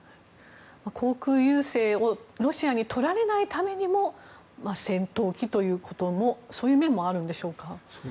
航空優勢をロシアにとられないためにも戦闘機ということもそういう面もあるんでしょうか。